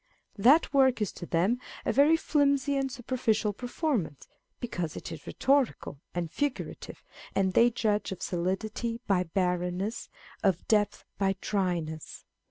That work is to them a very flimsy and superficial performance, because it is rhetorical and figurative, and they judge of solidity by barrenness, of depth by dryness.